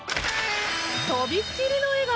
とびっきりの笑顔！